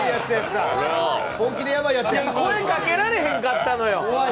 声かけられへんかったのよ。